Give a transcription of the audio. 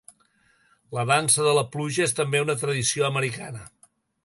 La dansa de la pluja és també una tradició americana.